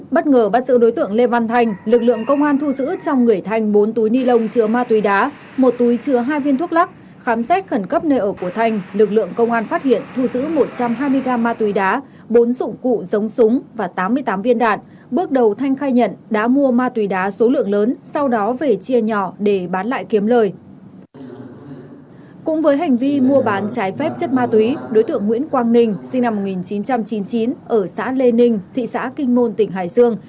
mua bắn trái phép chết ma túy đối tượng nguyễn quang ninh sinh năm một nghìn chín trăm chín mươi chín ở xã lê ninh thị xã kinh môn tỉnh hải dương